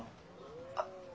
あっ。